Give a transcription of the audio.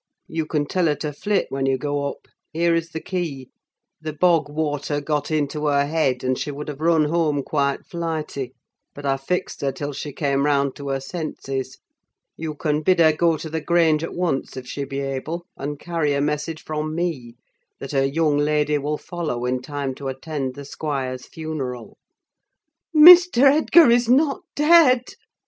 You can tell her to flit, when you go up; here is the key. The bog water got into her head, and she would have run home quite flighty, but I fixed her till she came round to her senses. You can bid her go to the Grange at once, if she be able, and carry a message from me, that her young lady will follow in time to attend the squire's funeral.'" "Mr. Edgar is not dead?"